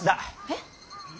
えっ。